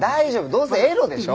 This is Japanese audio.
どうせエロでしょ？